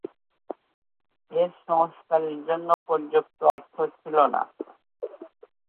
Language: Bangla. এর সংস্কারের জন্য পর্যাপ্ত অর্থ ছিল না।